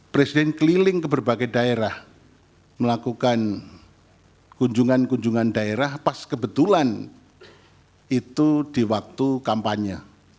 presiden keliling ke berbagai daerah melakukan kunjungan kunjungan daerah pas kebetulan itu di waktu kampanye